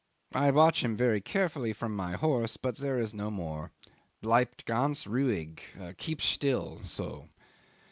I watch him very carefully from my horse, but there is no more bleibt ganz ruhig keep still, so.